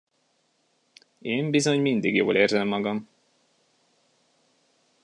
Én bizony mindig jól érzem magam.